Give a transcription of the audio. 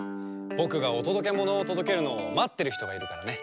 ぼくがおとどけものをとどけるのをまってるひとがいるからね。